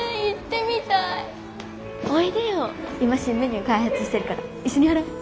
今新メニュー開発してるから一緒にやろ。